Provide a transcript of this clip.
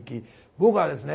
僕はですね